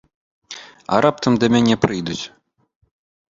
А раптам да мяне прыйдуць?